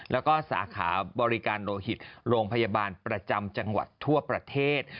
แล้วก็สาขาบริการโลหิตโรงพยาบาลประจำจังหวัดทั่วประเทศ